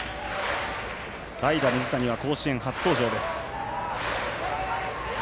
代打、水谷は甲子園初登場です。